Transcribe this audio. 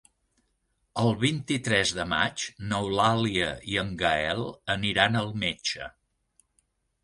El vint-i-tres de maig n'Eulàlia i en Gaël aniran al metge.